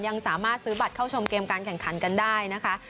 ยังสามารถซื้อบัตรเข้าชมเกมการแข่งขันกันได้นะคะ